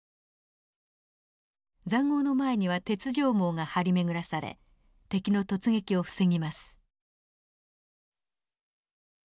塹壕の前には鉄条網が張り巡らされ敵の突撃を防ぎます。